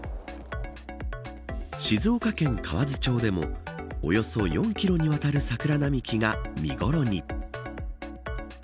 静岡県河津町でもおよそ４キロにわたる桜並木が見頃に。